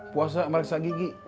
puasa periksa gigi